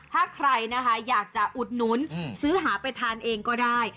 ถ้าใครอยากจะอุโต้นสื้อหาไปทานเองก็ได้